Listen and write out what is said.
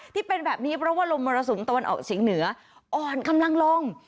ที่เป็นแบบนี้เพราะว่าลมมรสุมตะวันออกเฉียงเหนืออ่อนกำลังลง